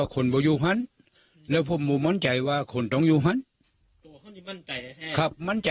คุณต้องอยู่ค่ะ